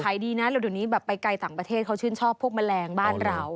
ดีนะแล้วเดี๋ยวนี้แบบไปไกลต่างประเทศเขาชื่นชอบพวกแมลงบ้านเรา